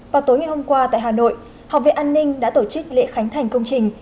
vào tối ngày hôm qua tại hà nội học viện an ninh đã tổ chức lễ khánh thành công trình